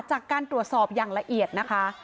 จากการตรวจสอบอย่างละเอียดนะคะ